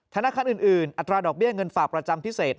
ธนาคารอื่นอัตราดอกเบี้ยเงินฝากประจำพิเศษ